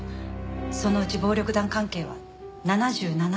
そのうち暴力団関係は７７丁でした。